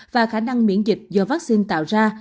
và khả năng miễn dịch do vaccine tạo ra